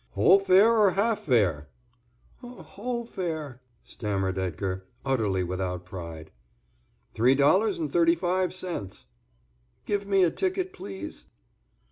"Whole fare or half fare?" "Whole fare," stammered Edgar, utterly without pride. "Three dollars and thirty five cents." "Give me a ticket, please."